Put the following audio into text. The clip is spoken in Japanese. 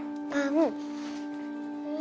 うん